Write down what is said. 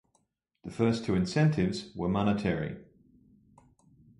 The first two incentives were monetary.